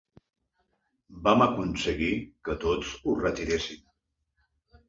Vam aconseguir que tots ho retiressin.